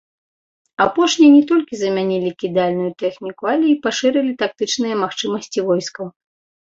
Апошнія не толькі замянілі кідальную тэхніку, але і пашырылі тактычныя магчымасці войскаў.